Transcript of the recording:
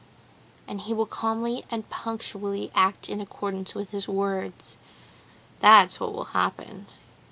And he will calmly and punctually act in accordance with his words. That's what will happen.